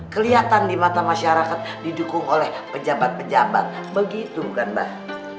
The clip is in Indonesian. kelihatan di mata masyarakat didukung oleh pejabat pejabat begitu bukan mbak